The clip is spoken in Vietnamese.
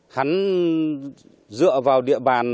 hắn dựa vào địa bàn